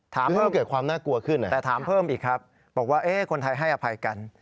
ถามเพิ่มแต่ถามเพิ่มอีกครับบอกว่าเอ๊ะคนไทยให้อภัยกัน